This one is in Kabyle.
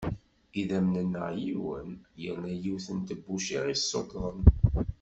Idamen-nneɣ yiwen yerna yiwet n tebbuct i ɣ-yesuttḍen.